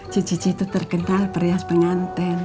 cece itu terkenal perias pengantin